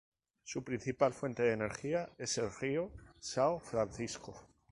Su principal fuente de energía es el Río São Francisco.